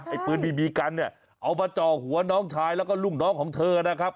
ไอปืนบีบีกันเนี่ยเอามาจ่อหัวน้องชายแล้วก็ลูกน้องของเธอนะครับ